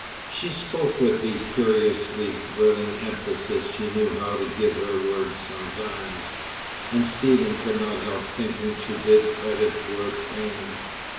She spoke with the curiously thrilling emphasis she knew how to give her words sometimes, and Stephen could not help thinking she did credit to her training.